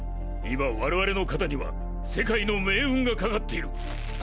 今我々の肩には世界の命運が懸かっている。